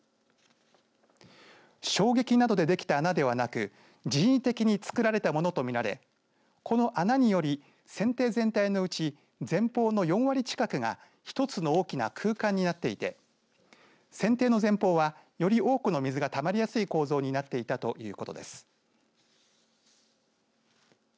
衝撃などでできた穴ではなく人為的に作られたものとみられこの穴により、船体全体のうち前方の４割近くが一つの大きな空間になっていて船底の前方は、より多くの水がたまりやすい構造になっていたということです。